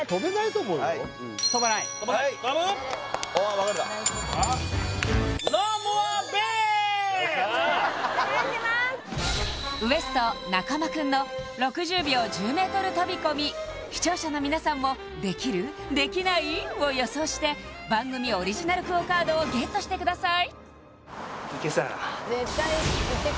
分かれたＷＥＳＴ．中間くんの６０秒１０ｍ飛び込み視聴者の皆さんもできる？できない？を予想して番組オリジナルＱＵＯカードをＧＥＴしてください